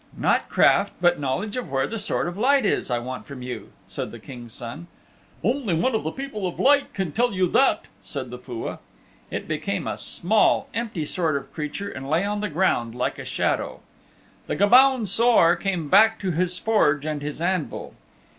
"Not craft, but knowledge of where the Sword of Light is, I want from you," said the King's Son. "Only one of the People of Light can tell you that," said the Fua. It became a small, empty sort of creature and lay on the ground like a shadow. The Gobaun Saor came back to his forge and his anvil.